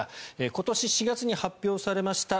今年４月に発表されました